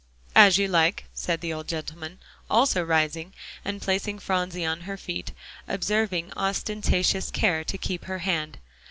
"As you like," said the old gentleman, also rising, and placing Phronsie on her feet, observing ostentatious care to keep her hand.